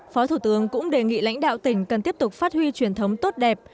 phó thủ tướng cũng đề nghị lãnh đạo tỉnh cần tiếp tục phát huy truyền thống tốt đẹp